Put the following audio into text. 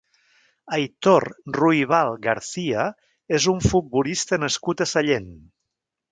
Aitor Ruibal García és un futbolista nascut a Sallent.